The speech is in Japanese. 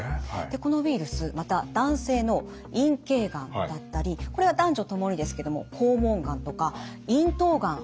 でこのウイルスまた男性の陰茎がんだったりこれは男女ともにですけども肛門がんとか咽頭がん。